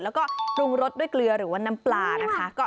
แล้วก็ปรุงรสด้วยเกลือหรือว่าน้ำปลานะคะ